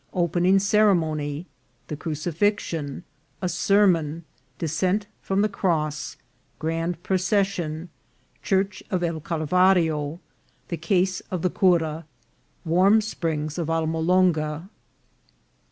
— Opening Ceremony. — The Crucifixion. — A Sermon.— Descent from the Cross.— Grand Procession. — Church of El Calvario. — The Case of the Cura. — Warm Springs of Almolonga.